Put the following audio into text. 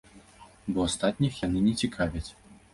Бо астатніх яны не цікавяць.